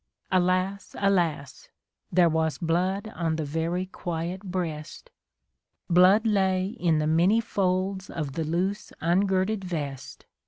.... Alas ! alas ! there was blood on the very quiet breast. Blood lay in the many folds of the loose ungirded vest.